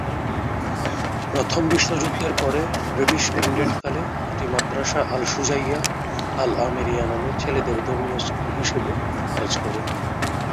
প্রথম বিশ্বযুদ্ধের পরে ব্রিটিশ ম্যান্ডেট কালে এটি মাদ্রাসা আল-শুজা'ইয়া আল-আমিরিয়া নামে ছেলেদের ধর্মীয় স্কুল হিসাবে কাজ করে।